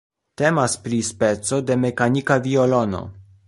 Temas pri speco de mekanika violono.